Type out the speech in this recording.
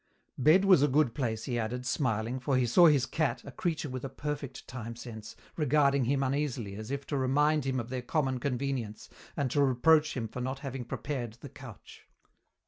Bed was a good place, he added, smiling, for he saw his cat, a creature with a perfect time sense, regarding him uneasily as if to remind him of their common convenience and to reproach him for not having prepared the couch.